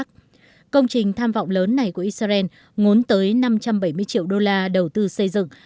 công trình tham vọng lớn này của israel ngốn tới năm trăm bảy mươi triệu đô la đầu tư xây dựng